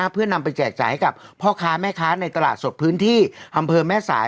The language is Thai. เพื่อนำไปแจกจ่ายให้กับพ่อค้าแม่ค้าในตลาดสดพื้นที่อำเภอแม่สาย